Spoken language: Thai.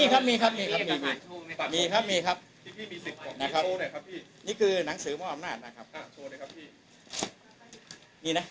ขอขอขอขอขอขอขอขอขอขอขอขอขอขอขอขอขอขอขอ